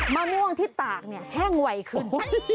มะม่วงที่ตากแห้งไหวขึ้น